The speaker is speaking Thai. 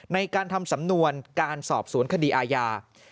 ในการทำสำนวนการสอบสวนคดีอาญา